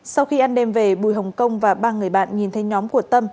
sau khi ăn đêm về bùi hồng công và ba người bạn nhìn thấy nhóm của tâm